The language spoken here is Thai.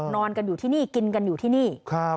นอนกันอยู่ที่นี่กินกันอยู่ที่นี่